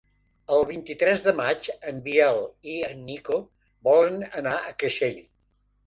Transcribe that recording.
El vint-i-tres de maig en Biel i en Nico volen anar a Creixell.